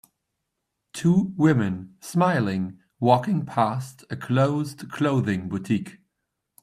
two women, smiling, walking past a closed clothing boutique.